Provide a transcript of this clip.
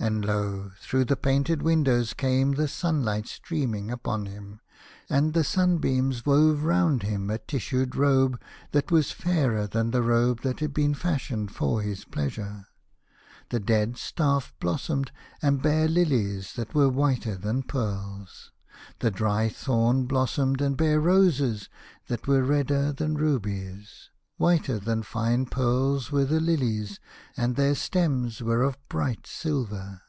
And lo ! through the painted windows came the sunlight streaming upon him, and the sun beams wove round him a tissued robe that was fairer than the robe that had been fashioned for his pleasure. The dead staff blossomed, and bare lilies that were whiter than pearls. The dry thorn blossomed, and bare roses that e 25 A House of Pomegranates. were redder than rubies. Whiter than fine pearls were the lilies, and their stems were of bright silver.